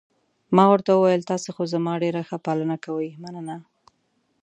ما ورته وویل: تاسي خو زما ډېره ښه پالنه کوئ، مننه.